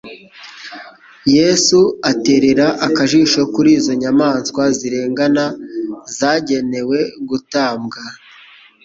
Yesu aterera akajisho kuri izo nyamaswa zirengana zagenewe gutambwa